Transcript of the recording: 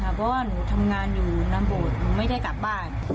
เพราะว่าหนูทำงานอยู่นานโบสถ์หนูไม่ได้กลับบ้าน